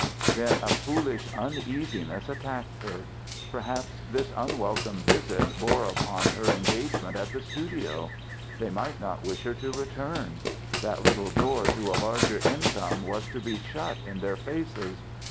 Then a foolish uneasiness attacked her: perhaps this unwelcome visit bore upon her engagement at the studio. They might not wish her to return; that little door to a larger income was to be shut in their faces.